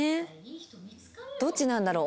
どっちなんだろう？